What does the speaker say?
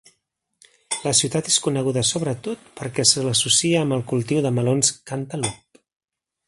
La ciutat és coneguda sobretot perquè se l'associa amb el cultiu de melons cantalup.